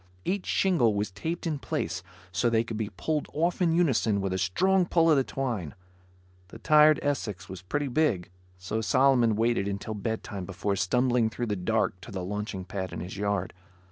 Each shingle was taped in place so they could be pulled off in unison with a strong pull on the twine. The tired Essex was pretty big, so Solomon waited until bedtime before stumbling through the dark to the launching pad in his yard.